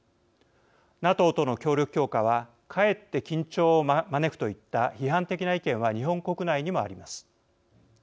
ＮＡＴＯとの協力強化はかえって緊張を招くといった批判的な意見は日本国内にもあります。